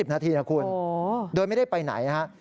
๒๐นาทีนะคุณโดยไม่ได้ไปไหนนะครับ